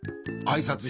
あいさつ？